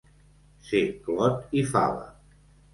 Ser clot i fava.